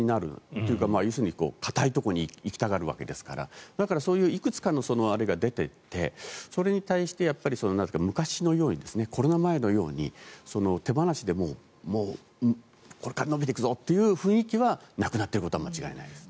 というか要するに、堅いところに行きたがるわけですからだから、そういういくつかのあれが出ていてそれに対して昔のようにコロナ前のように手放しでこれから伸びていくぞという雰囲気はなくなっていることは間違いないですね。